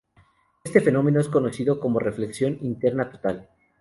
Este fenómeno es conocido como Reflexión Interna Total.